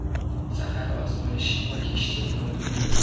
سفر آزمایشی با کشتی نو